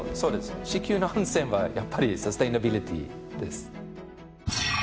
地球の安全はやっぱりサスティナビリティです。